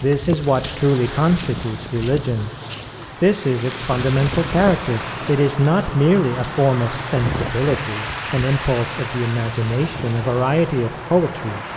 This is what truly constitutes religion; this is its fundamental character; it is not merely a form of sensibility, an impulse of the imagination, a variety of poetry.